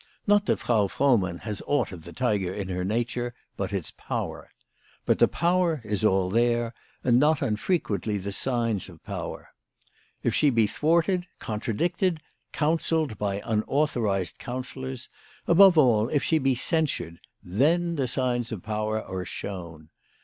Not that Frau Frohmann has aught of the tiger in her nature but its power. But the power is all there, and not unfrequently the signs of power. If she be thwarted, contradicted, counselled by unauthorised counsellors, above all if she be censured, then the signs of power are shown.